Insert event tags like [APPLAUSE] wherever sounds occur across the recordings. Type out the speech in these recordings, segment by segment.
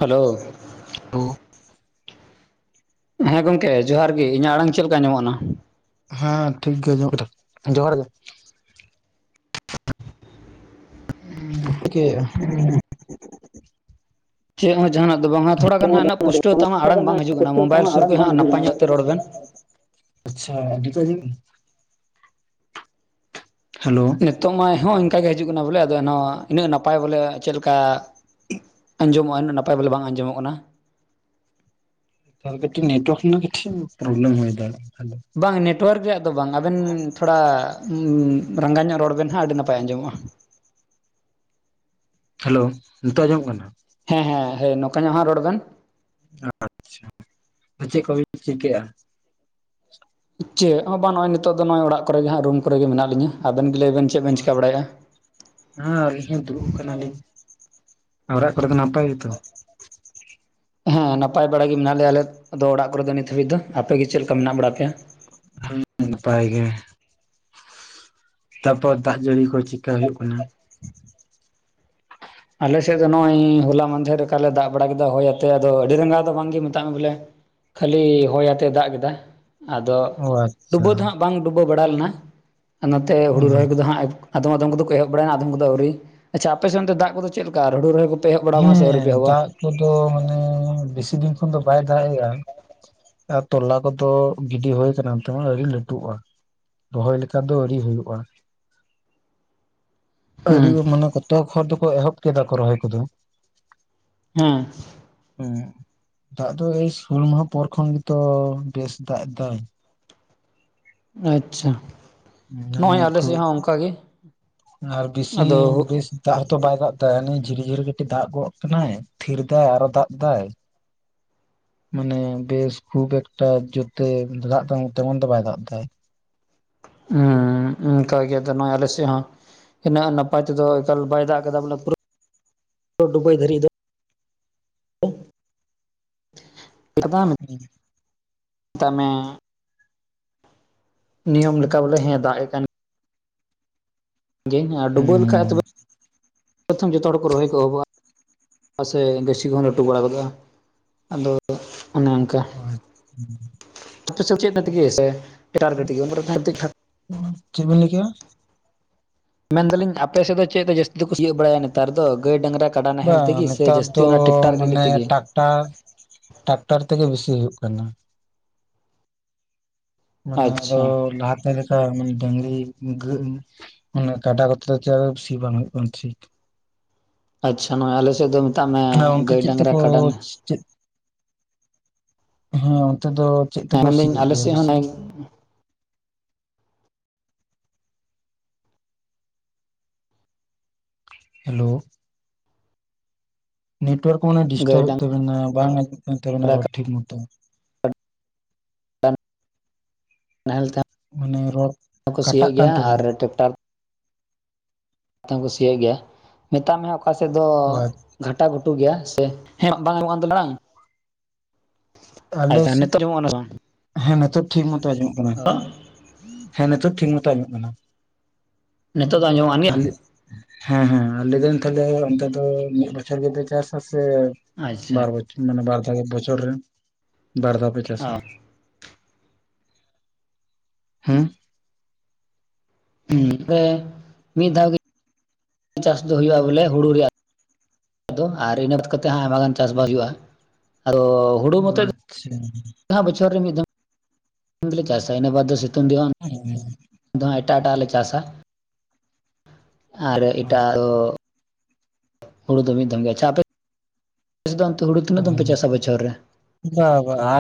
Hello. [INAUDIBLE] ᱦᱮᱸ ᱜᱚᱝᱠᱮ ᱡᱚᱦᱟᱨ ᱜᱮ ᱤᱧᱟᱹᱜ ᱟᱲᱟᱝ ᱪᱮᱫ ᱠᱟ ᱟᱡᱚᱢᱚᱜ ᱠᱟᱱᱟ? ᱦᱮᱸ ᱴᱷᱤᱠ ᱜᱮ ᱟᱡᱚᱢ [UNINTELLIGIBLE] ᱡᱚᱦᱟᱨ ᱜᱮ ᱾ [UNINTELLIGIBLE] [UNINTELLIGIBLE] ᱪᱮᱫ ᱦᱚᱸ ᱡᱟᱦᱱᱟᱜ ᱫᱚ ᱵᱟᱝᱼᱟ ᱛᱷᱚᱲᱟ ᱜᱟᱱ ᱦᱟᱸᱜ ᱯᱩᱥᱴᱟᱹᱣ ᱟᱟ ᱟᱲᱟᱝ ᱵᱟᱝ ᱦᱤᱡᱩᱜ ᱠᱟᱱᱟ ᱯᱩᱥᱴᱟᱹᱣ ᱢᱳᱵᱟᱭᱤᱞ ᱛᱟᱢᱟ ᱥᱩᱨ ᱟᱲᱟᱝ ᱠᱷᱡ ᱵᱟᱝ ᱦᱟᱸᱜ ᱦᱤᱡᱩᱜ ᱱᱟᱯᱟᱭ ᱠᱟᱱᱟ ᱧᱚᱜ ᱛᱮ ᱨᱚᱲ ᱵᱮᱱ, ᱟᱪᱪᱷᱟ [INAUDIBLE] ᱦᱮᱞᱳ ᱱᱤᱛᱚᱜ ᱢᱟ ᱦᱚᱸ ᱚᱱᱠᱟᱜ ᱜᱮ ᱦᱤᱡᱩᱜ ᱠᱟᱱᱟ ᱵᱚᱞᱮ ᱮᱱᱦᱚᱸ ᱤᱱᱟᱹᱜ ᱱᱟᱯᱟᱭ ᱵᱚᱞᱮ ᱪᱮᱫ ᱞᱮᱠᱟᱼᱼ ᱟᱸᱡᱚᱢᱚᱜᱼᱟ ᱩᱱᱟᱹᱜ ᱱᱟᱯᱟᱭ ᱵᱚᱞᱮ ᱵᱟᱝ ᱟᱸᱡᱚᱢᱚᱜ ᱠᱟᱱᱟ᱾ ᱟᱨᱠᱟᱴᱤᱡ ᱱᱮᱴᱟᱨᱠ ᱯᱨᱵᱞᱢ ᱦᱩᱭ ᱫᱟᱦᱮᱼᱼ ᱵᱟᱝ ᱱᱮᱴᱚᱣᱟᱨᱠ ᱨᱮᱭᱟᱜ ᱫᱚ ᱵᱟᱝ ᱟᱵᱮᱱ ᱛᱷᱚᱲᱟᱼᱼ ᱨᱟᱸᱜᱟ ᱧᱚᱜ ᱨᱚᱲ ᱵᱮᱱ ᱦᱟᱸᱜ ᱟᱹᱰᱤ ᱱᱟᱯᱟᱭ ᱟᱸᱡᱚᱢᱚᱜᱼᱟ᱾ ᱦᱮᱞᱳ ᱱᱤᱛᱚᱜ ᱟᱸᱡᱚᱢᱚᱜ ᱠᱟᱱᱟ᱾ ᱦᱮᱸ ᱦᱮᱸ ᱦᱮᱸ ᱱᱚᱝᱼᱠᱟ ᱧᱚᱜ ᱦᱟᱜ ᱨᱚᱲ ᱵᱮᱱ, ᱟᱪᱪᱷᱟ ᱪᱮᱫ ᱠᱚᱵᱤᱱ ᱪᱤᱠᱟᱹᱜᱼᱟ᱾ ᱪᱮᱫ ᱦᱚᱸ ᱵᱟᱝ ᱱᱚᱜᱼᱚᱭ ᱱᱤᱛᱚᱜ ᱫᱚᱜᱼ ᱚᱲᱟᱜ ᱠᱚᱜᱮ ᱦᱜ ᱨᱩᱢ ᱠᱚᱜ ᱢᱮᱱᱟᱜ ᱞᱧᱟᱹ ᱟᱵᱮᱱ ᱜᱮ ᱞᱟᱹᱭᱵᱮᱱ? ᱦᱳᱭ ᱦᱮᱸ ᱟᱹᱞᱤᱧ ᱦᱚᱸ ᱫᱩᱲᱩᱵ ᱟᱠᱟᱱᱟᱞᱤᱧ ᱚᱲᱟᱜ ᱠᱚᱨᱮ ᱫᱚ ᱱᱟᱯᱟᱭ ᱜᱮᱛᱚ? ᱦᱮᱸ ᱱᱟᱯᱟᱭ ᱵᱟᱲᱟ ᱜᱮ ᱢᱮᱱᱟᱜ ᱞᱮᱭᱟ ᱦᱮ ᱱᱟᱯᱟᱭ ᱵᱟᱰᱟᱭᱟ ᱜᱮ ᱢᱮᱱᱟ ᱞᱮᱭᱟ ᱟᱞᱮ ᱫᱚ ᱚᱲᱟᱜ ᱠᱚᱨᱮᱚ ᱱᱤᱛ ᱦᱟᱹᱵᱤᱡ ᱫᱚ ᱟᱯᱮᱜ ᱜᱮ ᱪᱮᱫ ᱞᱮᱠᱟ ᱢᱮᱱᱟᱜ ᱵᱟᱲᱟ ᱯᱮᱭᱟ? ᱦᱮᱸ ᱱᱟᱯᱟᱭ ᱜᱮ᱾ ᱛᱟᱯᱚᱨ ᱫᱟᱜ ᱡᱟᱹᱲᱤ ᱠᱚ ᱪᱮᱠᱟ ᱦᱩᱭᱩᱜ ᱠᱟᱱᱟ ᱟᱞᱮ ᱥᱮᱫ ᱫᱚ ᱱᱚᱜ ᱚᱚᱭ ᱦᱚᱞᱟ ᱢᱟᱫᱷᱮᱨ ᱞᱮᱠᱟᱞᱮ ᱫᱟᱜ ᱵᱟᱲᱟ ᱠᱮᱫᱟ ᱦᱚᱳᱭᱟᱛᱮ ᱟᱫᱚ ᱟᱹᱰᱤ ᱨᱟᱸᱜᱟ ᱫᱚ ᱵᱟᱝᱜᱮ ᱢᱮᱛᱟᱜ ᱢᱮ ᱵᱚᱞᱮᱼᱼ ᱠᱷᱟᱹᱞᱤ ᱦᱚᱭ ᱟᱛᱮ ᱫᱟᱜ ᱠᱮᱫᱟᱭ᱾ ᱟᱫᱚ ᱚ ᱟᱪᱪᱷᱟ ᱰᱩᱵᱟᱹ ᱫᱚ ᱦᱟᱸᱜ ᱵᱟᱝ ᱰᱩᱵᱟᱹ ᱵᱟᱲᱟ ᱞᱮᱱᱟ ᱱᱚᱛᱮ ᱚ ᱦᱩᱲᱩ ᱨᱚᱦᱚᱭ ᱠᱚᱫᱚ ᱦᱟᱸᱜᱼᱼ ᱟᱫᱚᱢ ᱟᱫᱚᱢ ᱠᱚᱫᱚ ᱮᱦᱚᱵᱲᱟ ᱟᱫᱚᱢ ᱫᱚ ᱟᱹᱣᱨᱤ ᱟᱪᱷᱟ ᱟᱯᱮ ᱥᱱᱛᱮ ᱫᱟᱜ ᱠᱚᱫᱚᱮᱫ ᱞᱮᱠᱟ ᱨᱩ ᱨᱚᱦᱩ ᱠᱚᱼᱼ ᱦᱮᱸ ᱫᱟᱜ ᱠᱚᱫᱚ ᱢᱟᱱᱮ ᱵᱮᱥᱤ ᱫᱤᱱ ᱠᱷᱚᱱ ᱫᱚ ᱵᱟᱭ ᱫᱟᱜ ᱮᱼᱟ᱾ ᱟᱨ ᱛᱚᱞᱟ ᱠᱚᱫᱚ ᱜᱤᱰᱤ ᱦᱩᱠ ᱛᱮᱦ ᱟᱹᱰᱤ ᱞᱟᱹᱴᱩᱜᱼᱟ᱾ ᱨᱚᱦᱚᱭ ᱞᱮᱠᱟ ᱫᱚ ᱟᱹᱣᱨᱤ ᱦᱩᱭᱩᱜᱼᱟ᱾ [INAUDIBLE] ᱟᱹᱰᱤ ᱢᱟᱱᱮ ᱠᱚᱛᱚᱠ ᱦᱚᱲ ᱫᱚᱠᱚ ᱮᱦᱚᱵ ᱠᱮᱫᱟ ᱠᱚ ᱨᱚᱦᱚᱭ ᱠᱚᱫᱚ᱾ ᱦᱮᱸ ᱚᱢ ᱫᱟᱜ ᱫᱚ ᱮᱭ ᱥᱳᱞ ᱢᱟᱦᱟ ᱯᱚᱨ ᱠᱷᱚᱱ ᱜᱮᱛᱚ ᱵᱮᱥ ᱫᱟᱜ ᱮᱫᱟᱭ᱾ ᱟᱪᱪᱷᱟ ᱢᱟᱱᱮ ᱱᱚᱜᱼᱚᱭ ᱟᱞᱮ ᱥᱮᱫ ᱠᱷᱩᱵ ᱦᱚᱸ ᱚᱱᱠᱟᱜ ᱜᱮᱼᱼ ᱟᱨ ᱵᱮᱥᱤ ᱵᱮᱥᱼᱼ ᱫᱟᱜ ᱦᱚᱸᱛᱚ ᱵᱟᱭ ᱫᱟᱜ ᱮᱫᱟ ᱦ ᱡᱷᱤᱨᱤ ᱡᱷᱤᱨᱤ ᱠᱟᱹᱴᱤᱡ ᱫᱟᱜ ᱜᱚᱜ ᱠᱟᱱᱟᱭ ᱯᱷᱷᱤᱨ ᱮᱟᱭ ᱟᱨᱚ ᱫᱟᱜ ᱮᱫᱟᱭ ᱢᱟᱱᱮ ᱵᱮᱥ ᱠᱷᱩᱵ ᱮᱠᱴᱟ ᱡᱛᱮ ᱫᱟᱜ ᱛᱟᱢ ᱛᱮᱢᱚᱱ ᱛᱮ ᱵᱟᱭ ᱫᱟᱜ ᱮᱟᱭ᱾ ᱦᱚᱸ ᱚᱱᱠᱟᱱ ᱜᱮ ᱛ ᱱᱚᱣᱟ ᱟᱞᱮ ᱥᱮ ᱦᱚᱸ ᱦᱩᱱᱟᱹᱜ ᱱᱟᱯᱟᱭ ᱛᱮᱫᱚ ᱮᱠᱟᱞ ᱵᱟᱭ ᱫᱟᱜ ᱠᱮᱫᱫᱟ ᱵᱚᱞᱮ ᱯᱩᱨ ᱰᱩᱵ ᱫᱷᱟᱹᱨᱤᱡ ᱫᱚ, [UNINTELLIGIBLE] ᱦᱮᱸ [UNINTELLIGIBLE] ᱢᱮᱛᱟᱜ ᱢᱮ ᱱᱤᱭᱚᱢ ᱞᱮᱠᱟ ᱵᱚᱞᱮ ᱦᱮᱸ ᱫᱟᱜ ᱮ ᱠᱟᱱᱼᱼ ᱡᱮ ᱟᱨ ᱰᱩᱵᱟᱹ ᱞᱮᱠᱷᱟᱡ ᱦᱩᱸ ᱛᱚᱵᱮ ᱯᱨᱚᱛᱷᱚᱢ ᱡᱚᱛᱚ ᱦᱚᱲ ᱠᱚ ᱨᱚᱦᱚᱭ ᱠᱚᱦᱚᱵᱚᱜᱼᱟ᱾ ᱢᱟᱥᱮ ᱜᱟᱹᱪᱷᱤ ᱠᱚᱦᱚᱸ ᱞᱟᱹᱴᱩ ᱵᱟᱲᱟ ᱜᱚᱜᱼᱟ ᱟᱫᱚ ᱚᱱᱮ ᱚᱱᱠᱟ᱾ ᱦᱳᱭ [UNINTELLIGIBLE] ᱪᱮᱫᱵᱤᱱ ᱞᱮᱠᱭᱟ? ᱢᱮᱱᱫᱟᱞᱤᱧ ᱟᱯᱮ ᱥᱮᱫ ᱫᱚ ᱪᱮᱫ ᱫᱚ ᱡᱟᱹᱥᱛᱤ ᱫᱚᱠᱚ ᱥᱤᱭᱳ ᱵᱟᱲᱟ ᱱᱮᱛᱟᱨ ᱫᱚ ᱜᱟᱹᱭ ᱰᱟᱝᱼᱨᱟᱼᱼ ᱠᱟᱰᱟ ᱱᱟᱦᱮᱞ ᱵᱟᱝ ᱛᱮᱜᱮ ᱥᱮ ᱡᱟᱹᱥᱛᱤ ᱚᱱᱟ ᱴᱮᱤᱠᱴᱟᱨ ᱜᱟᱹᱰᱤ ᱛᱮᱜᱮ? ᱟᱨ ᱴᱟᱠᱴᱟᱨ ᱛᱮᱜᱮ ᱵᱮᱥᱤ ᱦᱩᱭᱩᱜᱜ ᱠᱟᱱᱟ᱾ ᱢᱟᱱᱮ ᱟᱫᱚ ᱟᱪᱪᱷᱟ ᱞᱟᱦᱟᱛᱮ ᱨᱮ ᱚᱝᱠᱟ ᱢᱟᱱᱮ ᱰᱟᱝᱨᱤ, ᱜᱟᱹ ᱢᱟᱱᱮ ᱠᱟᱰᱟ ᱠᱚᱛᱮ ᱪᱟᱨᱚ ᱥᱤ ᱵᱟᱝ ᱦᱩᱭᱩᱜ ᱠᱟᱱᱟ ᱴᱷᱤᱠ। ᱟᱪᱪᱷᱟ ᱱᱚᱭ ᱟᱞᱮ ᱥᱮᱫ ᱫᱚ ᱢᱮᱛᱟᱜ ᱢᱮ ᱦᱮᱸ ᱚᱱᱛᱮ ᱜᱟᱹᱭ, ᱪᱮᱫ ᱰᱟᱝᱨᱟ, ᱛᱮᱠᱚ ᱠᱟᱰᱟ ᱱᱟᱦ ᱪᱮᱫ, ᱦᱮᱸ ᱚᱱᱛᱮ ᱫᱚ ᱪᱮᱜ ᱛᱮᱠᱚ ᱥᱤ ᱢᱮᱱᱫᱟᱹᱧ ᱟᱞᱮ ᱤᱫᱤᱭᱟ ᱥᱮᱫ ᱦᱚᱸ ᱵᱮᱥᱤ? ᱱᱚᱜᱼᱚᱭ ᱦᱮᱞᱳ, ᱱᱮᱴᱳᱣᱟᱨᱠ ᱢᱟᱱᱮ ᱰᱤᱥᱴᱟᱵ ᱜᱟᱹᱭ ᱮᱫ ᱛᱟᱵᱮᱱᱟ ᱵᱟᱝ ᱟᱸᱧᱡᱚᱢᱚᱜ ᱠᱟᱱ ᱛᱟᱵᱮᱱᱟ ᱨᱚᱲ ᱰᱟᱝᱨᱟ ᱴᱷᱤᱠ ᱢᱚᱛᱚ। ᱱᱟᱦᱮᱞ ᱛᱮ ᱢᱟᱱᱮ ᱨᱚᱲ ᱦᱚᱸ ᱠᱚ ᱠᱟᱴᱟᱜ ᱥᱤᱭᱚᱜ ᱠᱟᱱ ᱜᱮᱭᱟ ᱟᱨ ᱛᱟᱵᱤᱱᱟ ᱴᱮᱠᱴᱟᱨ ᱛᱮ ᱠᱚ ᱥᱤᱭᱚᱜ ᱜᱮᱭᱟ ᱢᱮᱛᱟᱜ ᱢᱮ ᱚᱠᱟ ᱥᱮᱫ ᱫᱚ ᱚ ᱜᱷᱟᱴᱟ ᱜᱷᱩᱴᱩ ᱜᱮᱭᱟ ᱥᱮ ᱦᱮᱸ [UNINTELLIGIBLE] ᱵᱟᱝ ᱟᱞᱮ ᱟᱪᱪᱷᱟ ᱥᱮᱜ ᱱᱤᱛᱚᱜ ᱟᱸᱡᱚᱢᱚᱜ ᱠᱟᱱᱟ ᱥᱮ ᱦᱮᱸ ᱱᱤᱛᱚᱜ ᱴᱷᱤᱠ ᱢᱚᱛᱚ ᱟᱸᱡᱚᱢᱚᱜ ᱠᱟᱱᱟ। ᱵᱟᱝ ᱚ ᱦᱮᱸ ᱱᱤᱛᱚᱜ ᱴᱷᱤᱠ ᱢᱚᱛᱚ ᱟᱸᱡᱚᱢᱚᱜ ᱠᱟᱱᱟ। ᱱᱤᱛᱚᱜ ᱫᱚ ᱟᱸᱡᱚᱢᱚᱜ ᱠᱟᱱ ᱜᱮᱭᱟ? ᱟᱞᱮ ᱦᱮᱸ ᱦᱮᱸ ᱞᱟᱹᱭ ᱫᱟᱧ ᱛᱟᱦᱞᱮ ᱚᱱᱛᱮ ᱫᱚ ᱢᱤᱫ ᱵᱚᱪᱷᱚᱨ ᱜᱮᱯᱮ ᱪᱟᱥ-ᱟ ᱥᱮ ᱟᱪᱪᱷᱟ ᱵᱟᱨ ᱵᱚᱪᱷᱚᱨ ᱢᱟᱱᱮ ᱵᱟᱨ ᱯᱮ ᱵᱚᱪᱷᱚᱨ ᱨᱮ ᱵᱟᱨ ᱫᱷᱟᱣ ᱯᱮ ᱪᱟᱥ-ᱟ? ᱚ ᱦᱩᱸ? ᱦᱩᱸ ᱮ ᱢᱤᱜ ᱫᱷᱟᱣ ᱜᱤ ᱪᱟᱥ ᱫᱚ ᱦᱩᱭᱩᱜᱼᱟ ᱵᱚᱞᱮ ᱦᱩᱲᱩ ᱨᱮᱭᱟᱜ ᱫᱚ ᱟᱨ ᱤᱱᱟᱹ ᱠᱟᱛᱮᱫ ᱦᱟᱸ ᱟᱭᱢᱟ ᱜᱟᱱ ᱪᱟᱥ-ᱵᱟᱥ ᱦᱩᱭᱩᱜᱼᱟ ᱟᱫᱚ ᱚ ᱟᱪᱪᱷᱟ। ᱟ ᱵᱚᱷᱚᱨ ᱨᱮ ᱢᱤᱜ ᱫᱷᱚᱢ ᱩᱱᱜᱮᱞᱮ ᱪᱟᱥᱟ ᱤᱱᱟᱹ ᱵᱟᱨ ᱫᱚ ᱥᱤᱛᱩᱝ ᱫᱤᱱ ᱦᱚᱸ [INAUDIBLE] ᱫᱚ ᱦᱟᱸᱜ ᱮᱴᱟᱜ ᱮᱴᱟᱜ ᱞᱮ ᱪᱟᱥᱟ ᱟᱨ ᱮᱴᱟᱜ ᱫᱚ ᱦᱳᱲᱳ ᱫᱚᱢᱮ ᱫᱚᱜᱮ। ᱪᱟᱯᱮ ᱟᱯᱮ ᱥᱮᱜ ᱫᱚ ᱦᱩᱲᱩ ᱛᱤᱱᱟᱹᱜ ᱫᱚᱢ ᱯᱮ ᱚ ᱪᱟᱥᱟ ᱵᱚᱪᱷᱚᱨ ᱨᱮ? ᱵᱟ ᱵᱟ ᱟᱴ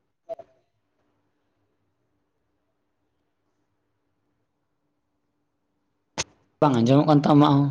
[INAUDIBLE] ᱵᱟᱝ ᱟᱸᱡᱚᱢᱚᱜ ᱠᱟᱱ ᱛᱟᱢᱟ ᱟᱢᱟᱜ ᱦᱚᱸ।